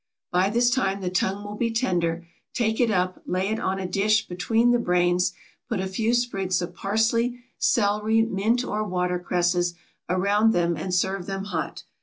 By this time the tongue will be tender; take it up, lay it on a dish between the brains, put a few sprigs of parsley, celery, mint or watercresses, around them and serve them hot.